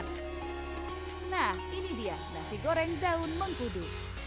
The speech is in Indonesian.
nah ini dia nasi goreng daun mengkudu